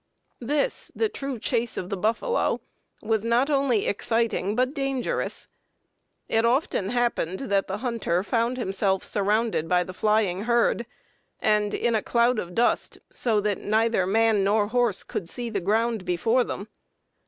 This, the true chase of the buffalo, was not only exciting, but dangerous. It often happened that the hunter found himself surrounded by the flying herd, and in a cloud of dust, so that neither man nor horse could see the ground before them.